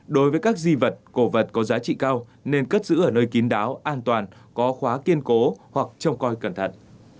đối với các di vật cổ vật có giá trị cao nên cất giữ ở nơi kín đáo an toàn có khóa kiên cố hoặc trông coi cẩn thận